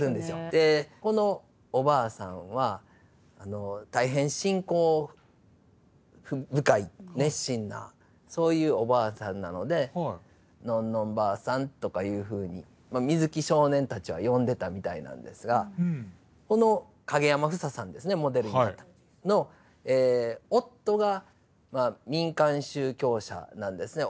でこのおばあさんは大変信仰深い熱心なそういうおばあさんなので「のんのんばあさん」とかいうふうに水木少年たちは呼んでたみたいなんですがこの景山ふささんですねモデルになったの夫が民間宗教者なんですね。